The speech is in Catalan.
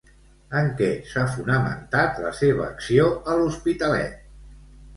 En què s'ha fonamentat la seva acció a l'Hospitalet?